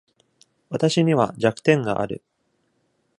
わたしには弱点がある。